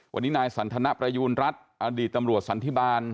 วันนี้นายสันทนประยูณรัฐอดีตตำรวจสันติบาล